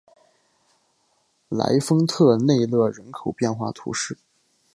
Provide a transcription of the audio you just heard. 莱丰特内勒人口变化图示